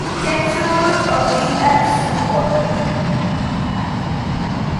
Chancellor of the Exchequer